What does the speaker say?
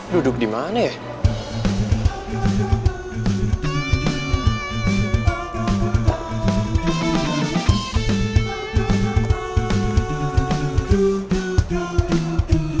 duduk di mana ya